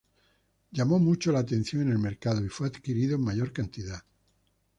Llamó mucho la atención en el mercado y fue adquirido en mayor cantidad.